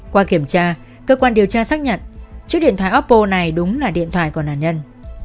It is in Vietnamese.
qua kiểm tra cơ quan điều tra xác nhận chiếc điện thoại appo này đúng là điện thoại của nạn nhân